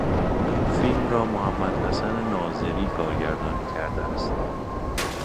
این فیلم را محمد حسن ناظری کارگردانی کرده است.